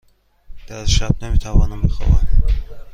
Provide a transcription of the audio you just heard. در شب نمی توانم بخوابم.